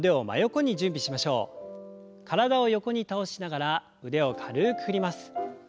体を横に倒しながら腕を軽く振ります。